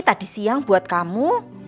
tadi siang buat kamu